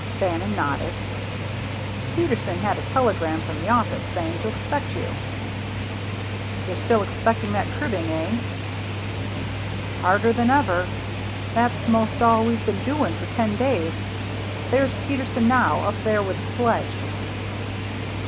Bannon nodded. "Peterson had a telegram from the office saying to expect you." "You're still expecting that cribbing, eh?" "Harder than ever. That's most all we've been doing for ten days. There's Peterson, now; up there with the sledge."